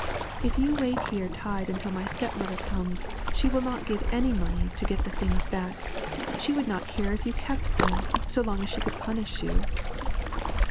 If you wait here tied until my stepmother comes she will not give any money to get the things back; she would not care if you kept them, so long as she could punish you.'